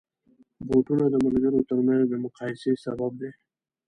بوټونه د ملګرو ترمنځ د مقایسې سبب دي.